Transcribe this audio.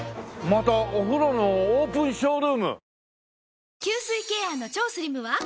またお風呂のオープンショールーム。